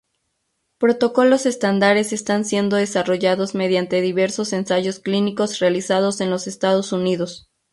Protocolos estándares están siendo desarrollados mediante diversos ensayos clínicos realizados en los Estados Unidos.